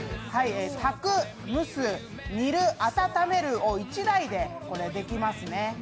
炊く、蒸す、煮る、温めるを１台でできますね。